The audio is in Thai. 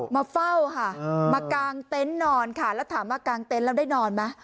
มาเฝ้าค่ะมากางเต็นต์นอนค่ะแล้วถามว่ากางเต็นต์แล้วได้นอนไหม